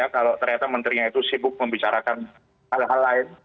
kalau ternyata menterinya itu sibuk membicarakan hal hal lain